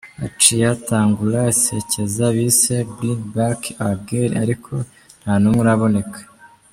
Haciye hatangura isekeza bise 'Bring Back Our Girls', ariko nta n'umwe araboneka.